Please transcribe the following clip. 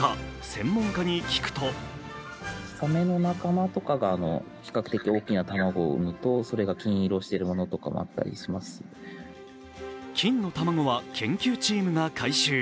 専門家に聞くと金の卵は研究チームが回収。